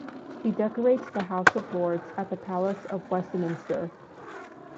He decorates the House of Lords at the Palace of Westminster.